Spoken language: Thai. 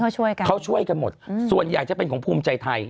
เขาช่วยกันเขาช่วยกันหมดส่วนใหญ่จะเป็นของภูมิใจไทย